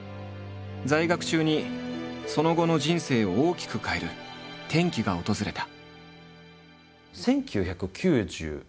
在学中にその後の人生を大きく変える転機が訪れた。